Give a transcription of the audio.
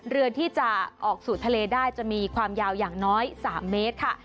เรือที่จะออกสู่ทะเลได้จะมีความยาวอย่างน้อย๓เมตรค่ะ